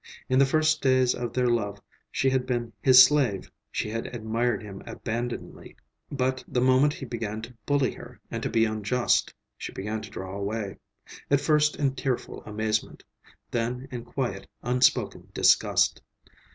In the first days of their love she had been his slave; she had admired him abandonedly. But the moment he began to bully her and to be unjust, she began to draw away; at first in tearful amazement, then in quiet, unspoken disgust.